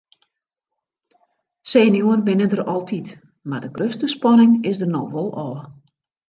Senuwen binne der altyd mar de grutste spanning is der no wol ôf.